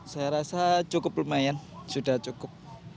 saya rasa cukup lumayan sudah cukup